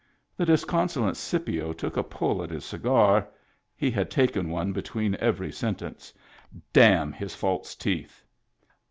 The disconsolate Scipio took a pull at his cigar, — he had taken one between every sen tence. " Damn his false teeth."